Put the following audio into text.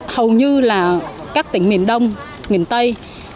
hầu như là các tỉnh miền đông miền tây